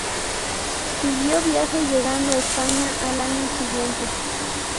Siguió viaje llegando a España al año siguiente.